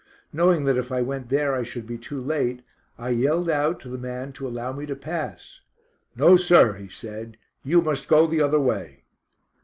Knowing that if I went there I should be too late, I yelled out to the man to allow me to pass. "No, sir," he said. "You must go the other way."